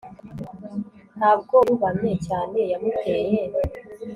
ntabwo yubamye cyane yamuteye